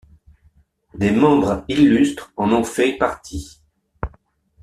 Des membres illustres en ont fait partie.